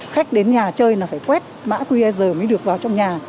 khách đến nhà chơi là phải quét mã qr giờ mới được vào trong nhà